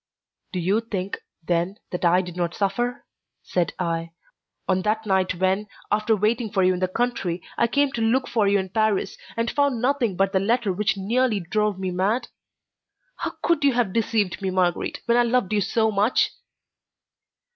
"Do you think, then, that I did not suffer," said I, "on that night when, after waiting for you in the country, I came to look for you in Paris, and found nothing but the letter which nearly drove me mad? How could you have deceived me, Marguerite, when I loved you so much?